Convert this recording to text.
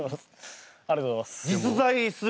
ありがとうございます。